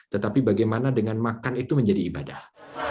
tetapi bagaimana dengan makan itu menjadi ibadah